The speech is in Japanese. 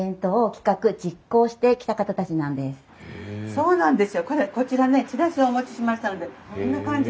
そうなんです。